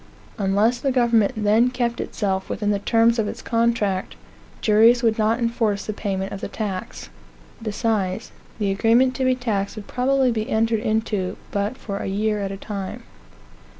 Unless the government then kept itself within the terms of its contract, juries would not enforce the payment of the tax. Besides, the agreement to be taxed would probably be entered into but for a year at a time.